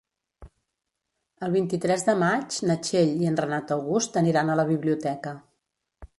El vint-i-tres de maig na Txell i en Renat August aniran a la biblioteca.